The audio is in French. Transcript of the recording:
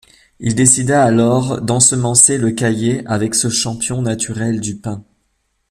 Il décida alors d'ensemencer le caillé avec ce champignon naturel du pain.